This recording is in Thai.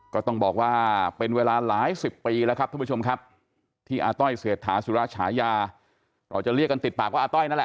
ก็ต้องบอกว่าเป็นเวลาหลายสิบปีแล้วครับท่านผู้ชมครับที่อาต้อยเศรษฐาสุรฉายาเราจะเรียกกันติดปากว่าอาต้อยนั่นแหละ